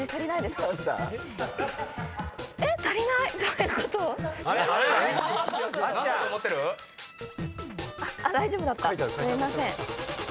すいません。